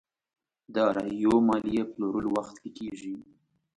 داراییو ماليې پلورلو وخت کې کېږي.